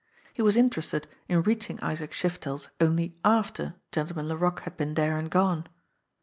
He was interested in reaching Isaac Shiftel's only after Gentleman Laroque had been there and gone.